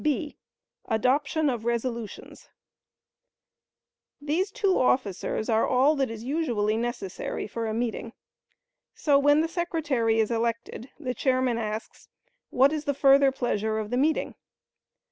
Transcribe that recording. (b) Adoption of Resolutions. These two officers are all that are usually necessary for a meeting; so, when the secretary is elected, the chairman asks, "What is the further pleasure of the meeting?"